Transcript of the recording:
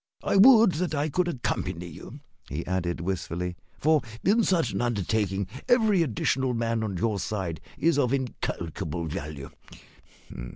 "I would that I could accompany you," he added wistfully, "for in such an undertaking every additional man on your side is of incalculable value.